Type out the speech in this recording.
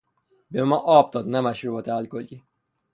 به ما آب داد نه مشروبات الکلی.